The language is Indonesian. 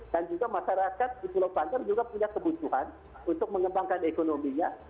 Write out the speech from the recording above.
dan juga masyarakat di pulau pantai juga punya kebutuhan untuk mengembangkan ekonominya